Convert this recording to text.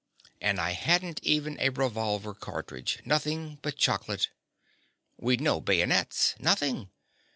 And I hadn't even a revolver cartridge—nothing but chocolate. We'd no bayonets—nothing.